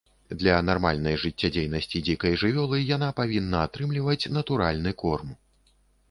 Для нармальнай жыццядзейнасці дзікай жывёлы яна павінна атрымліваць натуральны корм.